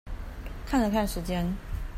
看了看時間